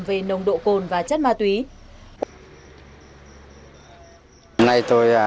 về nồng độ cồn và chất ma túy